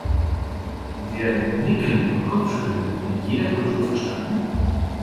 Werden Nicken und Kopfschütteln in jeder Kultur verstanden?